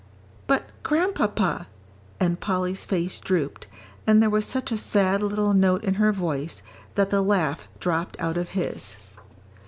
"But, Grandpapa " and Polly's face drooped, and there was such a sad little note in her voice, that the laugh dropped out of his.